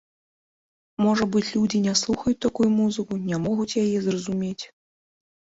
Можа быць, людзі не слухаюць такую музыку, не могуць яе зразумець.